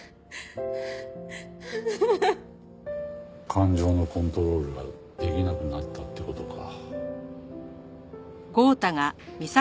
感情のコントロールができなくなったって事か。